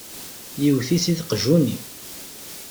Yewwet-itt-id qjuni!